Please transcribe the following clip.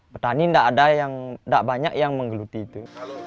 petani tidak ada yang tidak banyak yang menggeluti itu